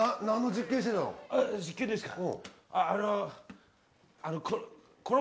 実験ですか？